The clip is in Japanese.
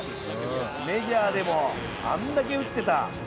メジャーでもあれだけ打ってた。